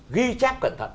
ghi chép cẩn thận